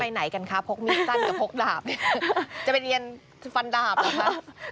พกมีดสั้นกับพกดาบจะเป็นเรียนฟันดาบหรือคะ